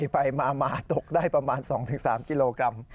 ไปมาตกได้ประมาณ๒๓กิโลกรัม